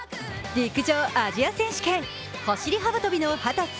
陸上・アジア選手権、走り幅跳びの秦澄